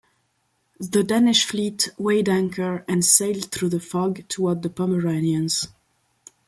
The Danish fleet weighed anchor and sailed through the fog toward the Pomeranians.